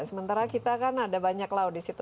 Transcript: sementara kita kan ada banyak laut di situ